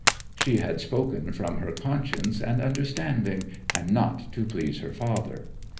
She had spoken from her conscience and understanding, and not to please her father.